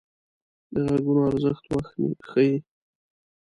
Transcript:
د غږونو ارزښت وخت ښيي